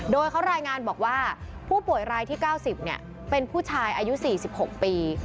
โดยเขารายงานบอกว่าผู้ป่วยรายที่๙๐เป็นผู้ชายอายุ๔๖ปี